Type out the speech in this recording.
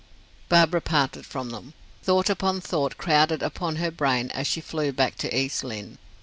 Barbara parted from them. Thought upon thought crowded upon her brain as she flew back to East Lynne.